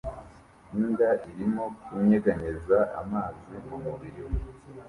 Imbwa irimo kunyeganyeza amazi mu mubiri we